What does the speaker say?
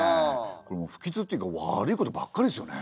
これ不吉っていうか悪いことばっかりですよね。